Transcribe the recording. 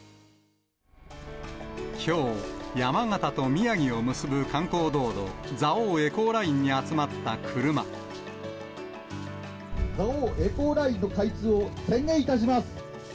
きょう、山形と宮城を結ぶ観光道路、蔵王エコーラインに集まった車。蔵王エコーラインの開通を宣言いたします。